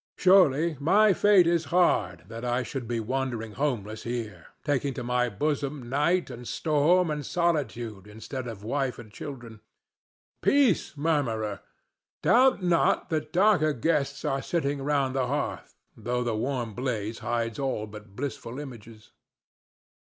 —Surely my fate is hard that I should be wandering homeless here, taking to my bosom night and storm and solitude instead of wife and children. Peace, murmurer! Doubt not that darker guests are sitting round the hearth, though the warm blaze hides all but blissful images.